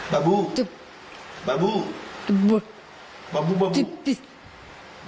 บ่าบู่บ่าบู่บ่าบู่ชิบชิบ